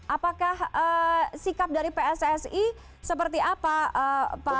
apakah sikap dari pssi seperti apa pak